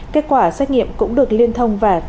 kết quả xét nghiệm cũng được liên thông và trả qua phần mềm